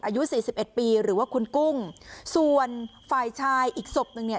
อายุสี่สิบเอ็ดปีหรือว่าคุณกุ้งส่วนฝ่ายชายอีกศพหนึ่งเนี่ย